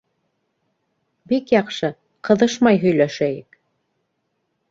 — Бик яҡшы, ҡыҙышмай һөйләшәйек.